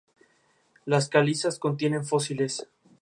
Las calizas contienen fósiles.